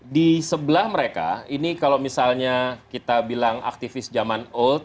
di sebelah mereka ini kalau misalnya kita bilang aktivis zaman old